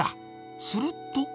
すると。